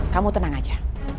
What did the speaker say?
kamu tenang aja